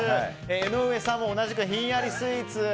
江上さんも同じくひんやりスイーツ。